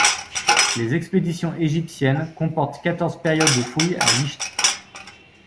Les expéditions égyptiennes comportent quatorze périodes de fouilles à Licht.